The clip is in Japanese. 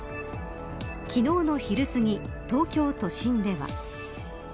昨日の昼すぎ東京都心では。